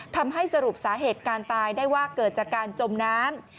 ทำให้สรุปสาเหตุการตายได้ว่าเกิดจากการจมน้ำ